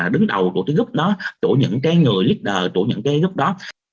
đứng đầu của cái group đó của những cái người leader của những cái group đó